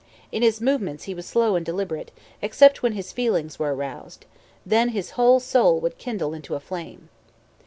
"In his movements he was slow and deliberate, except when his feelings were aroused. Then his whole soul would kindle into a flame."